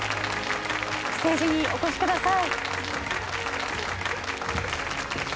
ステージにお越しください。